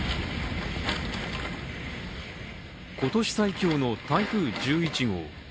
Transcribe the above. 今年、最強の台風１１号。